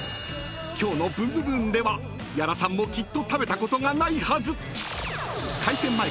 ［今日の『ブンブブーン！』では矢田さんもきっと食べたことがないはず］